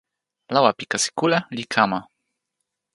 lawa pi kasi kule li kama.